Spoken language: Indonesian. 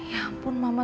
ya ampun mama